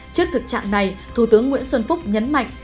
trước thực trạng này thủ tướng nguyễn xuân phúc nhấn mạnh